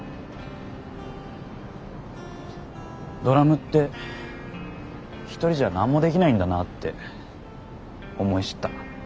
ドラムって一人じゃ何もできないんだなって思い知った。